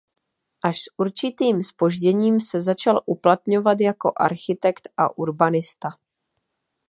Až s určitým zpožděním se začal uplatňovat jako architekt a urbanista.